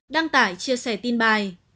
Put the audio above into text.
đăng tải chia sẻ tin bài